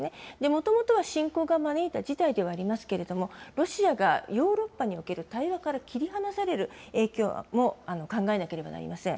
もともとは侵攻が招いた事態ではありますけれども、ロシアがヨーロッパにおける対話から切り離される影響も考えなければなりません。